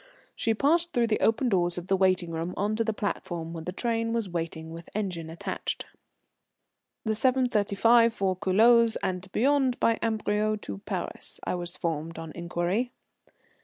She passed through the open doors of the waiting room on to the platform where the train was waiting with engine attached. "The 7.35 for Culoz and beyond by Amberieu to Paris," I was informed on inquiry.